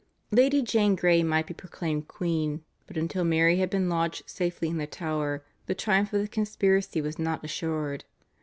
Lady Jane Grey might be proclaimed queen, but until Mary had been lodged safely in the Tower the triumph of the conspiracy was not assured.